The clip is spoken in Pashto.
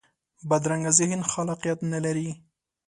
بدرنګه ذهن خلاقیت نه لري